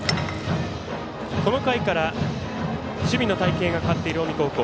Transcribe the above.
この回から守備の隊形が変わっている近江高校。